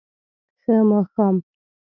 ښه ماښام